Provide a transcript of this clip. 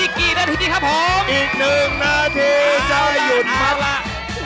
อีกกี่นาทีนี้อีกหนึ่งนาทีจะหยุ่นมา